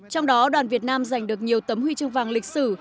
trong đó đoàn việt nam giành được nhiều tấm huy chương vàng lịch sử